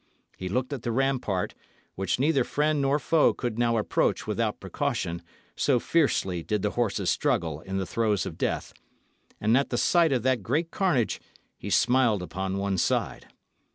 He looked at the rampart, which neither friend nor foe could now approach without precaution, so fiercely did the horses struggle in the throes of death, and at the sight of that great carnage he smiled upon one side.